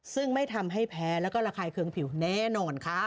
ซึ่งไม่ทำให้แพ้แล้วก็ระคายเคืองผิวแน่นอนค่ะ